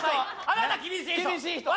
あなた厳しい人。